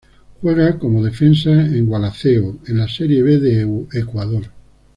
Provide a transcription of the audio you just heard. Juega como defensa en Gualaceo de la Serie B de Ecuador.